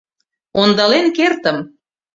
Ондален кертым...